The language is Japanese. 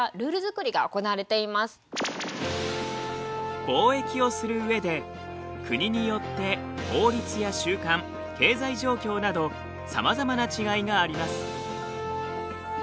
ＷＴＯでは貿易をする上で国によって法律や習慣経済状況などさまざまな違いがあります。